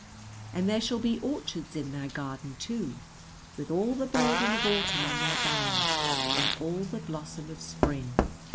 And there shall be orchards in thy garden, too, with all the burden of autumn on their boughs and all the blossom of spring.